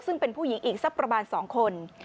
ซึ่งเป็นผู้หญิงอีกสักประมาณ๒คน